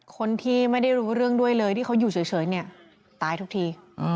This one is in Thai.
คนที่ไม่ได้รู้เรื่องด้วยเลยที่เขาอยู่เฉยเนี่ยตายทุกที